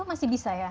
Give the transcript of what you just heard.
masih bisa ya